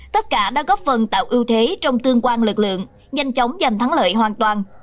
tất cả đã góp phần tạo ưu thế trong tương quan lực lượng nhanh chóng giành thắng lợi hoàn toàn